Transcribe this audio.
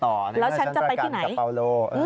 แล้วฉันจะไปที่ไหนแล้วฉันจะไปกับปาโล